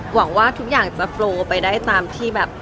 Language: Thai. หวังว่าทุกอย่างจะโปรไปได้ตามที่แบบ